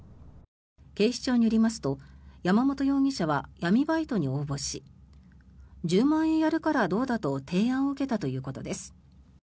警視庁によりますと山本容疑者は闇バイトに応募し１０万円やるからどうだと提案を受けたということです。